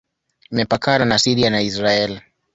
Imepakana na Syria na Israel.